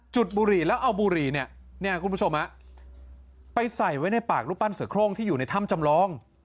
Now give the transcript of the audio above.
บุหรี่แล้วเอาบุหรี่เนี่ยคุณผู้ชมไปใส่ไว้ในปากรูปปั้นเสือโครงที่อยู่ในถ้ำจำลอง